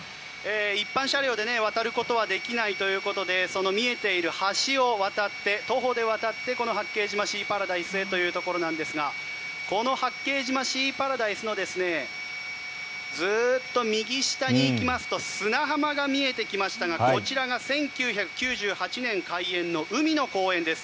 一般車両で渡ることはできないということでその見えている橋を渡って徒歩で渡って八景島シーパラダイスへというところなんですがこの八景島シーパラダイスのずっと右下に行きますと砂浜が見えてきましたがこちらが１９９８年開園の海の公園です。